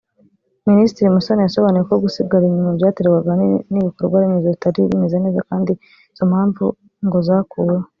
Minisitiri Musoni yasobanuye ko gusigara inyuma byaterwaga ahanini n’ibikorwaremezo bitari bimeze neza kandi izo mpamvu ngo zakuweho